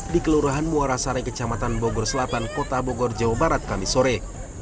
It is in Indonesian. di kelurahan muara sarai kecamatan bogor selatan kota bogor jawa barat kami sore